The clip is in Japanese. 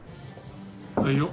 はいよ。